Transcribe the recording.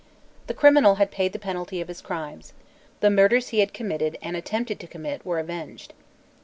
The criminal had paid the penalty of his crimes. The murders he had committed and attempted to commit were avenged.